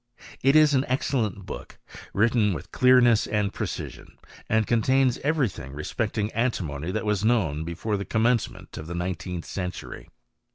It is an excelleofci book, written with clearness and precision, and coof^, tains every thing respecting antimony that was knowihr before the commencement of the 19th century.